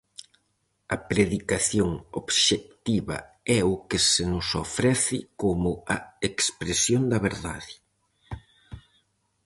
A predicación obxectiva é o que se nos ofrece como a expresión da verdade.